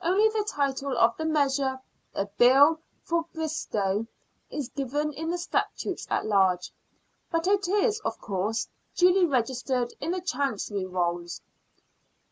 Only the title of the measure, " A Bill for Bristowe," is given in the " Statutes at Large." But it is, of course, duly registered in the Chancery Rolls.